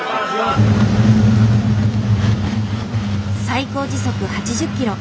最高時速８０キロ。